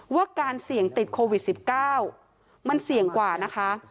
ว่าการเสี่ยงติดโควิด๑๙มันเสี่ยงกว่านะคะ